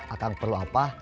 akang perlu apa